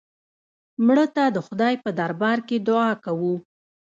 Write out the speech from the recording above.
مړه ته د خدای په دربار کې دعا کوو